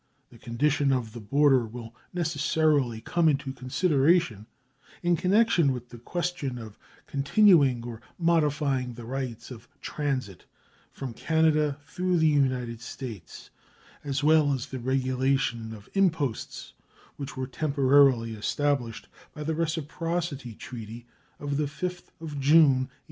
The condition of the border will necessarily come into consideration in connection with the question of continuing or modifying the rights of transit from Canada through the United States, as well as the regulation of imposts, which were temporarily established by the reciprocity treaty of the 5th June, 1854.